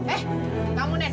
eh kamu nenek